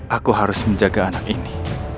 aku harus menjaga anak ini